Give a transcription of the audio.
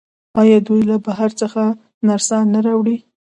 آیا دوی له بهر څخه نرسان نه راوړي؟